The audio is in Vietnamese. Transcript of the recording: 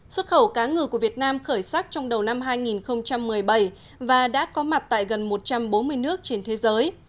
xuất khẩu cá ngừ của việt nam khởi sắc trong đầu năm hai nghìn một mươi bảy và đã có mặt tại gần một trăm bốn mươi nước trên thế giới